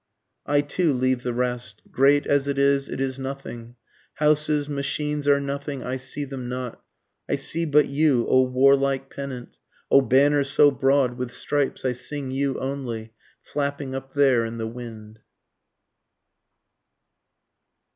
I too leave the rest great as it is, it is nothing houses, machines are nothing I see them not, I see but you, O warlike pennant! O banner so broad, with stripes, I sing you only, Flapping up there in the wind.